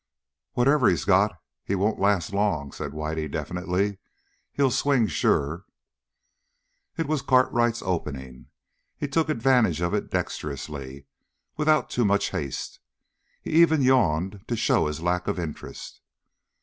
"Whatever he's got, he won't last long," said Whitey definitely. "He'll swing sure." It was Cartwright's opening. He took advantage of it dexterously, without too much haste. He even yawned to show his lack of interest.